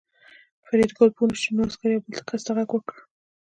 فریدګل پوه نه شو نو عسکر یو بل کس ته غږ وکړ